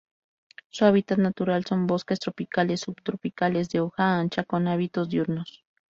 Su hábitat natural son: bosques tropicales y subtropicales de hoja ancha, con hábitos diurnos.